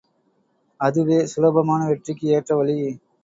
அதுவே சுலபமான வெற்றிக்கு ஏற்ற வழி!